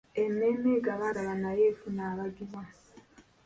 Emmeeme egabaagaba nayo efuna abagiwa.